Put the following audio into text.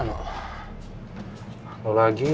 bikin ulah terus